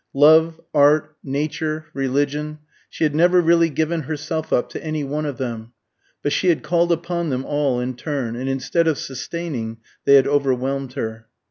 Love, art, nature, religion, she had never really given herself up to any one of them; but she had called upon them all in turn, and instead of sustaining, they had overwhelmed her.